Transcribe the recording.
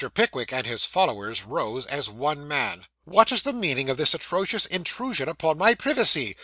Pickwick and his followers rose as one man. 'What is the meaning of this atrocious intrusion upon my privacy?